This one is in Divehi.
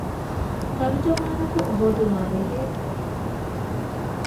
ތަރުޖަމާނަކު ހޯދުމާ ބެހޭ